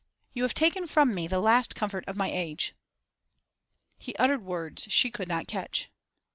You have taken from me the last comfort of my age.' He uttered words she could not catch.